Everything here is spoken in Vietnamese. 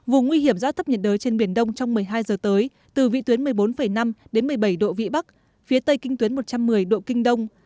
vùng nguy hiểm do áp thấp nhiệt đới trên biển đông trong một mươi hai giờ tới từ vị tuyến một mươi bốn năm đến một mươi bảy độ vĩ bắc phía tây kinh tuyến một trăm một mươi độ kinh đông